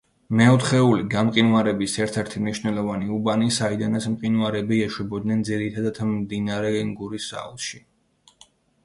მეოთხეული გამყინვარების ერთ-ერთი მნიშვნელოვანი უბანი, საიდანაც მყინვარები ეშვებოდნენ ძირითადად მდინარე ენგურის აუზში.